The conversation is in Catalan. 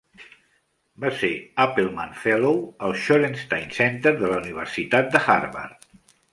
Va ser Appleman Fellow al Shorenstein Center de la universitat de Harvard.